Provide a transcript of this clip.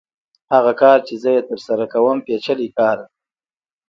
هغه کار چې زه یې ترسره کوم پېچلی کار دی